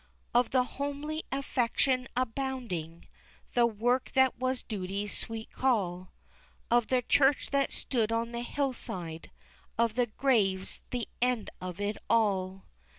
Of the homely affection abounding, The work that was duty's sweet call, Of the church that stood on the hillside, Of the graves the end of it all.